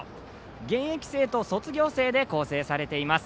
現役生と卒業生で構成されています。